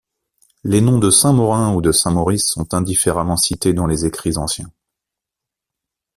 Les noms de Saint-Maurin ou de Saint-Maurice sont indifféremment cités dans les écrits anciens.